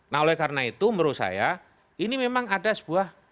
nah oleh karena itu menurut saya ini memang ada sebuah